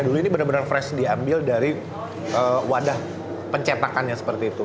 dulu ini benar benar fresh diambil dari wadah pencetakannya seperti itu